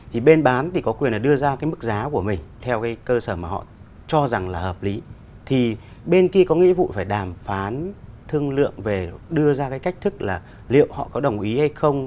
ví dụ phải đàm phán thương lượng về đưa ra cái cách thức là liệu họ có đồng ý hay không